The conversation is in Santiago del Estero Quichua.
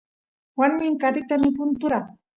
warmi qarita nipun tura